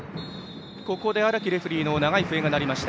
ここで荒木レフリーの長い笛が鳴りました。